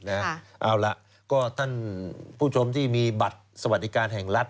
เอาล่ะก็ท่านผู้ชมที่มีบัตรสวัสดิการแห่งรัฐ